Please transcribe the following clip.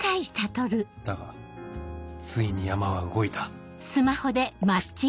だがついに山は動いた